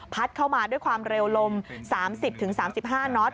เข้ามาด้วยความเร็วลม๓๐๓๕น็อต